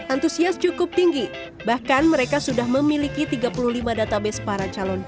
antusias cukup tinggi bahkan mereka sudah memiliki tiga puluh lima database para calon